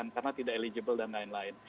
karena tidak eligible dan lain lain